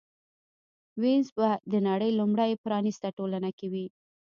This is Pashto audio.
وینز به د نړۍ لومړۍ پرانېسته ټولنه وي